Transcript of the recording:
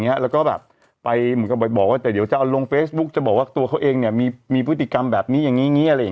เนี่ยซึ่งเรื่องหลังจากนั้นก็จะเป็นแบบนี้ตลอดถามว่าสาวหล่อน